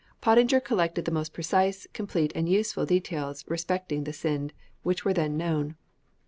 Pottinger collected the most precise, complete, and useful details respecting the Sind, which were then known.